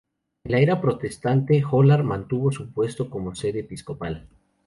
En la era protestante, Hólar mantuvo su puesto como sede episcopal.